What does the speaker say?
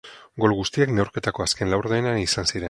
Gol guztiak neurketako azken laurdenean izan ziren.